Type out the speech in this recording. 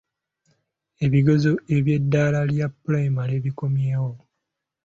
Ebigezo eby'eddaala lya pulayimale bikomyewo.